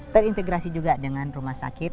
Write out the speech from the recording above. terintegrasi juga dengan rumah sakit